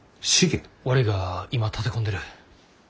悪いが今立て込んでる。